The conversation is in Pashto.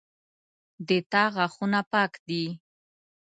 د تا غاښونه پاک دي